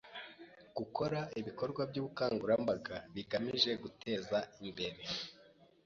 Gukora ibikorwa by’ubukangurambaga bigamije guteza imbere